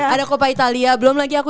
ada copa italia belum lagi aku